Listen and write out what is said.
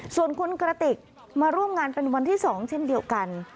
ส่วนคุณกระติกมาร่วมงานเป็นวันที่๒เช่นเดียวกัน